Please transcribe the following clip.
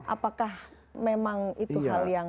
apakah memang itu hal yang